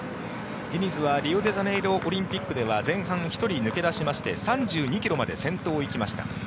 ディニズはリオデジャネイロオリンピックでは前半、１人抜け出しまして３２ｋｍまで先頭を行きました。